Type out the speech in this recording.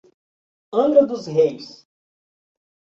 Angra dos Reis